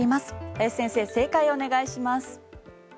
林先生、正解をお願いします。